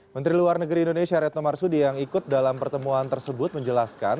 menteri luar negeri indonesia retno marsudi yang ikut dalam pertemuan tersebut menjelaskan